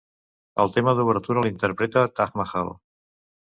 El tema d'obertura l'interpreta Taj Mahal.